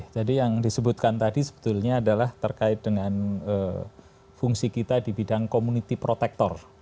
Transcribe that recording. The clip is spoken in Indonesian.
jadi yang disebutkan tadi sebetulnya adalah terkait dengan fungsi kita di bidang community protector